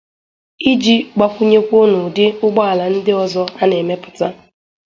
iji gbakwụnyekwuo n'ụdị ụgbọala ndị ọzọ ọ na-emepụta.